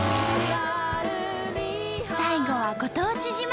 最後はご当地自慢！